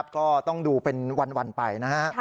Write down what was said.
ก็ต้องดูเป็นวันไป